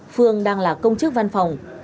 phương đang là công chức văn phòng